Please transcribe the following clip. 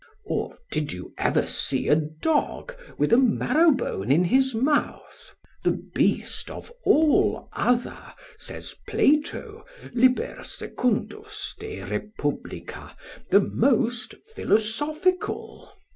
Or, did you ever see a dog with a marrowbone in his mouth, the beast of all other, says Plato, lib. 2, de Republica, the most philosophical?